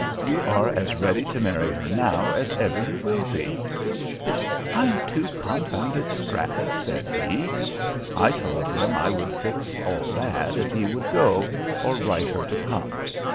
You are as ready to marry her now as ever you will be.' "'I'm too confounded strapped,' said he. I told him I would fix all that if he would go, or write her to come.